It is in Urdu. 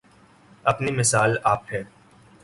اپنی مثال آپ ہے